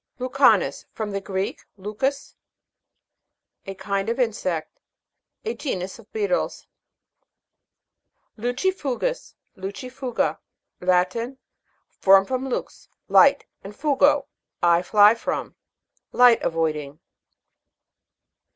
LUCA'NUS. From the Greek, lukos, a kind of insect. A genus of beetles. LUCI'FUGOS. ? Latin. Formed from LUCI'FUGA. ^ lux, light, and fugo, I fly from. Light avoiding.